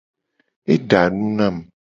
Eda nu nam.